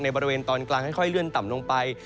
บริเวณตอนกลางค่อยเลื่อนต่ำลงไป